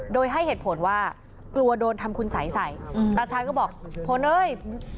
โดยให้เหตุผลว่ากลัวโดนทำคุณสายสายอืมตาชันก็บอกพนเฮ้ย